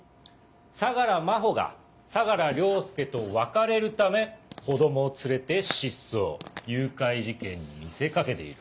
相良真帆が相良凌介と別れるため子供を連れて失踪誘拐事件に見せ掛けている。